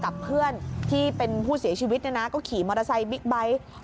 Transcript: กับเพื่อนที่เป็นผู้เสียชีวิตเนี่ยนะก็ขี่มอเตอร์ไซค์บิ๊กไบท์